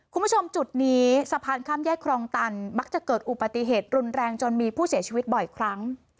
คุณผู้ชมจุดนี้สะพานข้ามแยกครองตันมักจะเกิดอุปติเหตุรุนแรงจนมีผู้เสียชีวิตบ่อยครั้ง